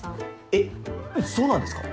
えっそうなんですか。